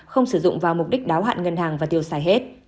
không sử dụng vào mục đích đáo hạn ngân hàng và tiêu xài hết